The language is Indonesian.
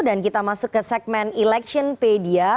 dan kita masuk ke segmen electionpedia